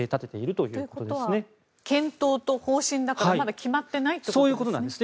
ということは検討と方針だからまだ決まっていないということですね。